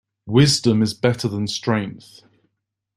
Wisdom is better than strength.